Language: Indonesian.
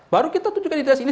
baru kita tunjukkan di dinas ini